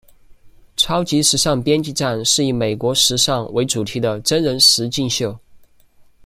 超级时尚编辑战是以美国时尚为主题的真人实境秀。